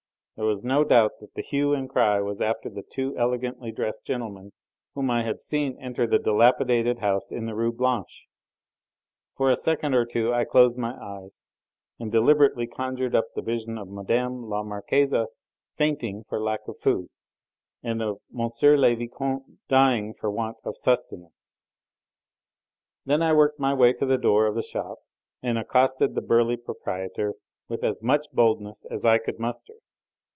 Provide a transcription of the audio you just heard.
There was no doubt that the hue and cry was after the two elegantly dressed gentlemen whom I had seen enter the dilapidated house in the Rue Blanche. For a second or two I closed my eyes and deliberately conjured up the vision of Mme. la Marquise fainting for lack of food, and of M. le Vicomte dying for want of sustenance; then I worked my way to the door of the shop and accosted the burly proprietor with as much boldness as I could muster.